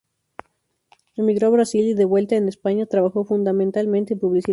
Emigró a Brasil y de vuelta en España, trabajó fundamentalmente en publicidad.